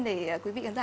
để quý vị ấn giả